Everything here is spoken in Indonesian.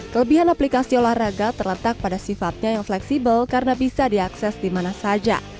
kelebihan aplikasi olahraga terletak pada sifatnya yang fleksibel karena bisa diakses di mana saja